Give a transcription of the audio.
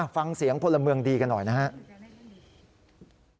ฟังเสียงพลเมืองดีกันหน่อยนะครับ